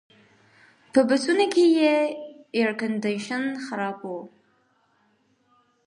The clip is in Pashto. په بسونو کې ایرکنډیشن خراب و.